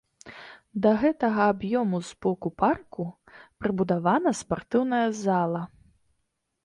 Да гэтага аб'ёму з боку парку прыбудавана спартыўная зала.